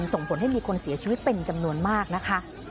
ส่งผลให้มีคนเสียชีวิตเป็นจำนวนมากนะคะ